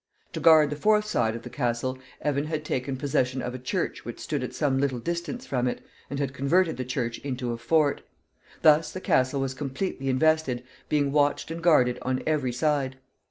To guard the fourth side of the castle, Evan had taken possession of a church which stood at some little distance from it, and had converted the church into a fort. Thus the castle was completely invested, being watched and guarded on every side.